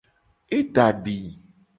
E da di.